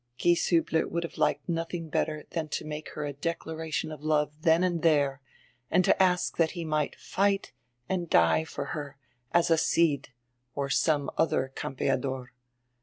Gieshiibler would have liked nodiing better dian to make her a declaration of love dien and die re, and to ask diat he might fight and die for her as a Cid or some odier campeador.